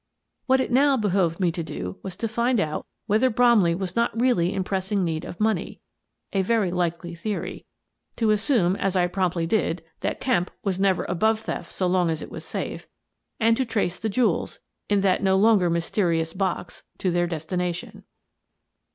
What it now behoved me to do was to find out whether Bromley was not really in pressing need of money (a very likely theory) ; to assume, as I promptly did, that Kemp was never above theft so long as it was safe; and to trace the jewels, in that no longer mysterious box, to their destination.